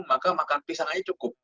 maka makan pisang aja cukup